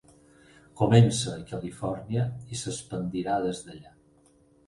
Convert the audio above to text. Comença a Califòrnia, i s'expandirà des d'allà.